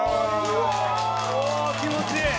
うわー気持ちいい！